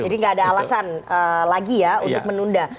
jadi gak ada alasan lagi ya untuk menunda